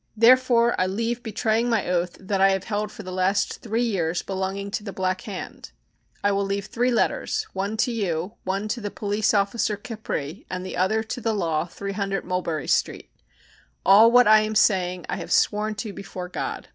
Therefore I leave betraying my oath that I have held for the last three years belonging to the Black Hand. I will leave three letters, one to you, one to the Police Officer Capri, and the other to the law, 300 Mulberry Street. All what I am saying I have sworn to before God.